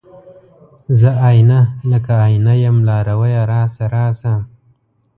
زه آئينه، لکه آئینه یم لارویه راشه، راشه